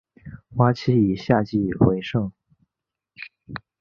花期以夏季最盛。